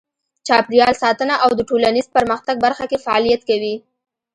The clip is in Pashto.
چاپیریال ساتنه او د ټولنیز پرمختګ برخه کې فعالیت کوي.